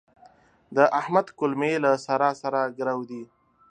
د احمد کولمې له سارا سره ګرو دي.